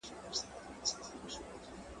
هغه څوک چي د کتابتون د کار مرسته کوي منظم وي؟!